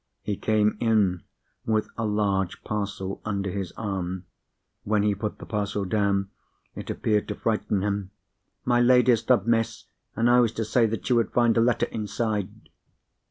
He came in, with a large parcel under his arm. When he put the parcel down, it appeared to frighten him. "My lady's love, Miss; and I was to say that you would find a letter inside."